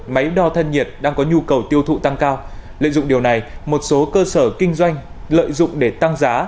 máy đo thân nhiệt đang có nhu cầu tiêu thụ tăng cao lợi dụng điều này một số cơ sở kinh doanh lợi dụng để tăng giá